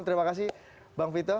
terima kasih bang vito